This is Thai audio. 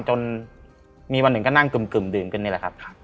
จนมีวันหนึ่งก็นั่งกึ่มดื่มกันนี่แหละครับ